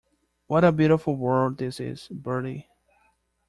What a beautiful world this is, Bertie.